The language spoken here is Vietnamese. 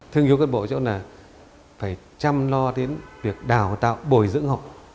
thương yêu cán bộ chỗ này là phải chăm lo đến việc đào tạo bồi dưỡng họ